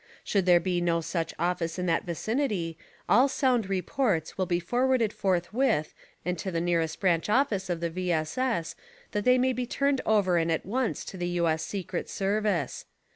Should there be no such office in that vicinity all sound reports will be forwarded forthwith and to the nearest branch office of the V. S. S. that they may be turned over and at once to the U. S. Secret Service.